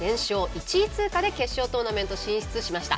１位通過で決勝トーナメントに進出しました。